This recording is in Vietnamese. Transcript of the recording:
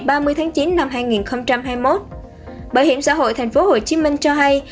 bảo hiểm xã hội tp hcm cho hay